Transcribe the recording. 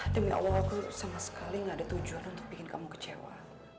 demi allah aku sama sekali gak ada tujuan untuk bikin kamu kecewa